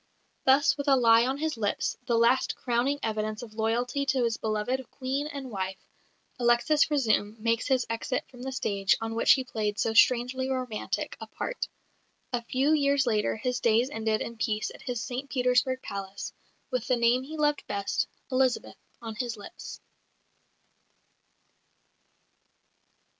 Thus with a lie on his lips the last crowning evidence of loyalty to his beloved Queen and wife Alexis Razoum makes his exit from the stage on which he played so strangely romantic a part. A few years later his days ended in peace at his St Petersburg palace, with the name he loved best, "Elizabeth," on his lips.